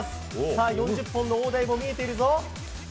さあ、４０本の大台も見えているぞ。